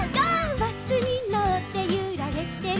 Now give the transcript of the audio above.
「バスにのってゆられてる」